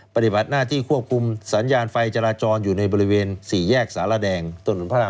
ปฏิบัติหน้าที่ควบคุมสัญญาณไฟจราจรอยู่ในบริเวณสี่แยกสารแดงถนนพระราม